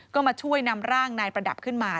ก็มาช่วยนำร่างนายประดับขึ้นมา